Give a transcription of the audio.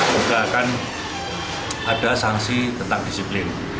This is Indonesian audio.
juga akan ada sanksi tetap disiplin